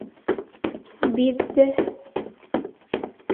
Биҙҙе.